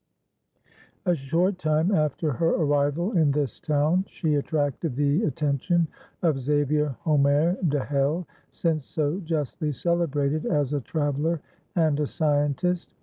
A short time after her arrival in this town, she attracted the attention of Xavier Hommaire de Hell, since so justly celebrated as a traveller and a scientist.